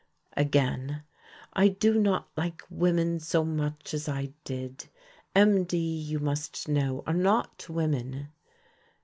Again: "I do not like women so much as I did. MD, you must know, are not women."